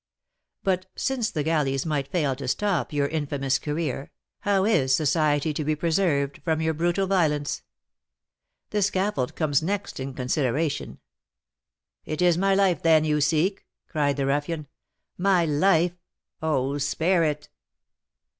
But since the galleys might fail to stop your infamous career, how is society to be preserved from your brutal violence? The scaffold comes next in consideration " "It is my life, then, you seek!" cried the ruffian. "My life! Oh, spare it!"